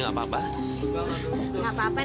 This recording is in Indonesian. saya tempat kelempanan